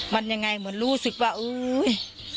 มันยังไงมันรู้สึกว่าเอ้ย